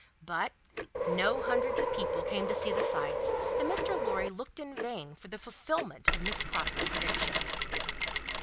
But, no Hundreds of people came to see the sights, and Mr. Lorry looked in vain for the fulfilment of Miss Pross's prediction.